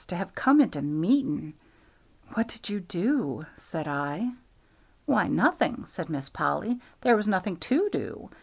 to have him come into meeting!" "What did you do?" said I. "Why, nothing," said Miss Polly; "there was nothing to do.